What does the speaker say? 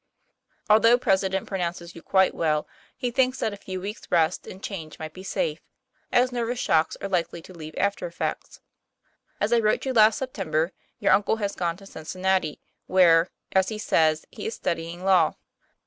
Although president pronounces you quite well, he thinks that a few weeks' rest and change might be safe, as nervous shocks are likely to leave after effects. As I wrote you last September, your uncle has gone to Cincin nati, where, as he says, he is studying law.